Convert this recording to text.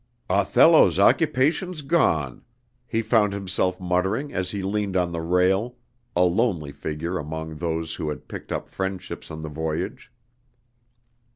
"Othello's occupation's gone," he found himself muttering as he leaned on the rail, a lonely figure among those who had picked up friendships on the voyage.